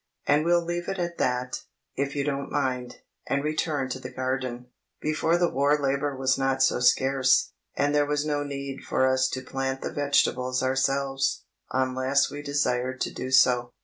And we'll leave it at that, if you don't mind, and return to the garden. Before the War labour was not so scarce, and there was no need for us to plant the vegetables ourselves, unless we desired to do so.